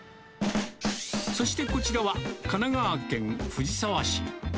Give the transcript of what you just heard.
そしてこちらは、神奈川県藤沢市。